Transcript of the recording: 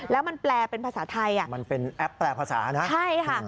แล้วมันแปลเป็นภาษาไทยอ่ะมันเป็นแอปแปลภาษานะใช่ค่ะ